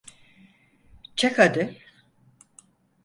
Çek hadi.